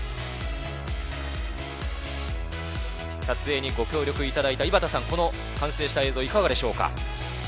撮影にご協力いただいた井端さん、完成した映像いかがですか？